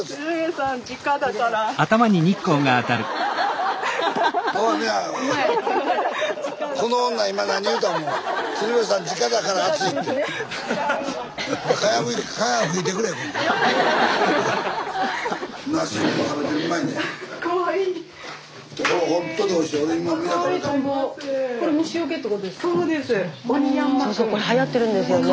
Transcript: スタジオそうそうこれはやってるんですよね。